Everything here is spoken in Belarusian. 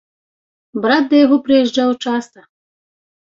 Брат да яго прыязджаў часта.